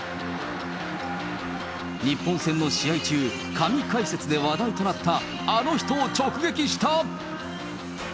日本戦の試合中、神解説で話題となったあの人を直撃した。